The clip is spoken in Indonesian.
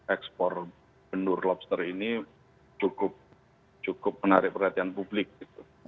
ekspor benur lobster ini cukup menarik perhatian publik gitu